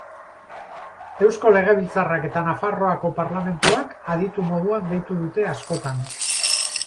Eusko Legebiltzarrak eta Nafarroako Parlamentuak aditu moduan deitu dute askotan.